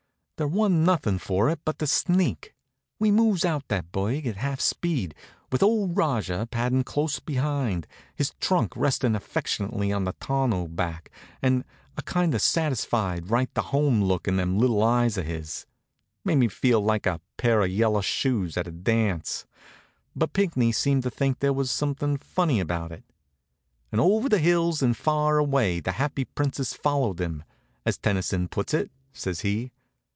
There wa'n't nothing for it but to sneak. We moves out of that burg at half speed, with old Rajah paddin' close behind, his trunk restin' affectionately on the tonneau back and a kind of satisfied right to home look in them little eyes of his. Made me feel like a pair of yellow shoes at a dance, but Pinckney seemed to think there was something funny about it. "'And over the hills and far away the happy Princess followed him,' as Tennyson puts it," says he.